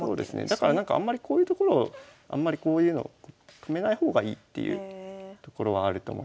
だからなんかあんまりこういうところをあんまりこういうのを止めない方がいいっていうところはあると思いますね。